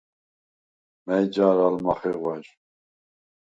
მა̈ჲ ჯა̄რ ალ მახეღვა̈ჟ?